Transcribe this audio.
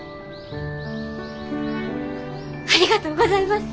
ありがとうございます！